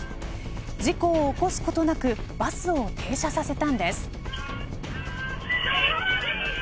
事故を起こすことなくバスを停車させたんです。